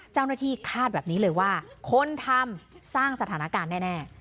เจ้าหน้าที่คาดแบบนี้เลยว่าคนทำสร้างสถานการณ์แน่